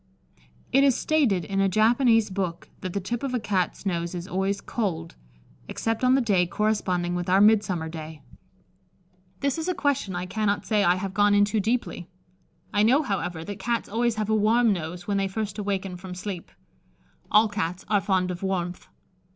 It is stated in a Japanese book that the tip of a Cat's nose is always cold, except on the day corresponding with our Midsummer day. This is a question I cannot say I have gone into deeply. I know, however, that Cats always have a warm nose when they first awaken from sleep. All Cats are fond of warmth.